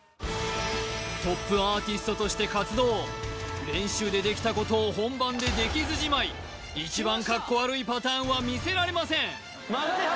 トップアーティストとして活動練習でできたことを本番でできずじまい一番カッコ悪いパターンは見せられません